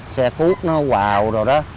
xe cút nó vào rồi đó